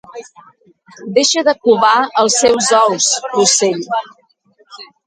Deixa de covar els seus ous, l'ocell.